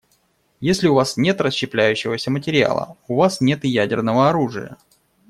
Если у вас нет расщепляющегося материала, у вас нет и ядерного оружия.